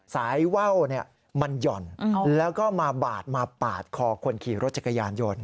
ว่าวมันหย่อนแล้วก็มาบาดมาปาดคอคนขี่รถจักรยานยนต์